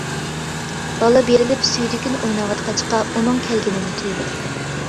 بالا بېرىلىپ سۈيدۈكىنى ئويناۋاتقاچقا، ئۇنىڭ كەلگىنىنى تۇيمىدى.